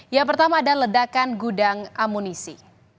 yang pertama ada ledakan gudang amunisi